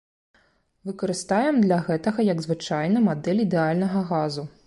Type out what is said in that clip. Выкарыстаем для гэтага, як звычайна, мадэль ідэальнага газу.